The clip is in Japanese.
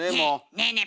ねえねえ